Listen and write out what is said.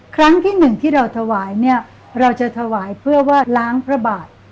ครั้งที่หนึ่งที่เราถวายเนี่ยเราจะถวายเพื่อวาดล้างพระบาท